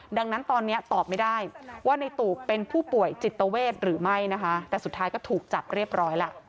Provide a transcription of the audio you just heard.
ดังนั้นตอนนี้ตอบไม่ได้ว่าในตูบเป็นผู้ป่วยจิตเวทหรือไม่นะคะแต่สุดท้ายก็ถูกจับเรียบร้อยล่ะ